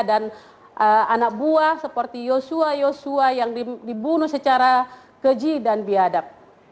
dan anak buah seperti yosua yosua yang dibunuh secara keji dan biadab